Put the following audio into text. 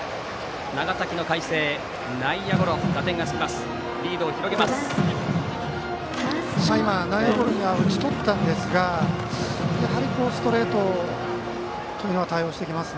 長崎の海星内野ゴロ、打点がつきます。